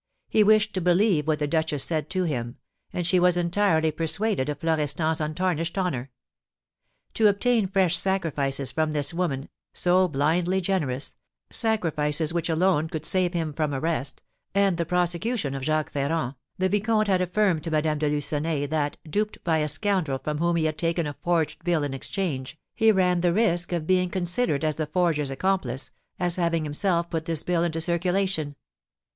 He wished to believe what the duchess said to him, and she was entirely persuaded of Florestan's untarnished honour. To obtain fresh sacrifices from this woman, so blindly generous, sacrifices which alone could save him from arrest, and the prosecution of Jacques Ferrand, the vicomte had affirmed to Madame de Lucenay that, duped by a scoundrel from whom he had taken a forged bill in exchange, he ran the risk of being considered as the forger's accomplice, as having himself put this bill into circulation.